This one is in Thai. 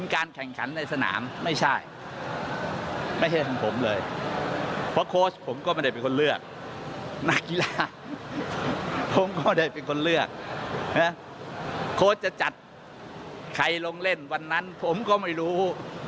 โค้ชจะจัดไขลงเล่นวันนั้นผมก็ไม่รู้